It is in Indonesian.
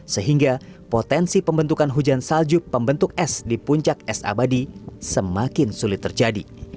sehingga potensi pembentukan hujan salju pembentuk es di puncak es abadi semakin sulit terjadi